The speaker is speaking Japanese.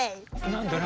何だ？